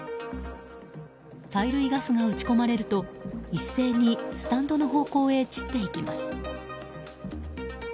催涙ガスが撃ち込まれると一斉にスタンドの方向へ散っていきます。